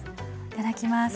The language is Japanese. いただきます。